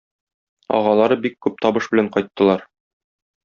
Агалары бик күп табыш белән кайттылар.